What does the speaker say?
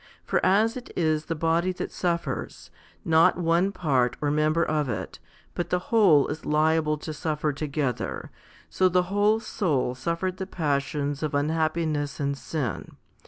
For as it is the body that suffers, not one part or member of it, but the whole is liable to suffer together, so the whole soul suffered the passions of un happiness and sin.